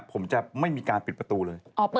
ผมจะไม่มีการปิดประตูเลย